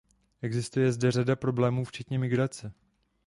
Existuje zde řada problémů, včetně migrace.